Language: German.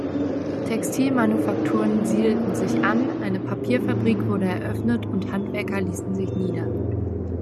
Textilmanufakturen siedelten sich an, eine Papierfabrik wurde eröffnet und Handwerker ließen sich nieder.